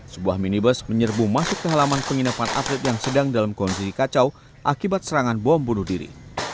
sebuah minibus menyerbu masuk ke halaman penginapan atlet yang sedang dalam kondisi kacau akibat serangan bom bunuh diri